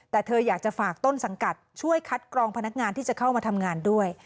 แต่เธออยากจะฝากต้นสังกัดช่วยคัดกรองพนักงานที่จะเข้ามาทำงานด้วย